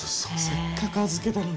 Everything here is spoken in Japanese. せっかく預けたのに。